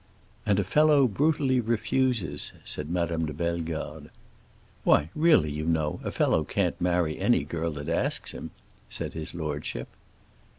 "And a fellow brutally refuses," said Madame de Bellegarde. "Why, really, you know, a fellow can't marry any girl that asks him," said his lordship.